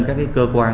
các cái cơ quan